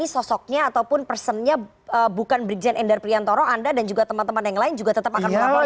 sosoknya ataupun personnya bukan brigjen endar priantoro anda dan juga teman teman yang lain juga tetap akan melaporkan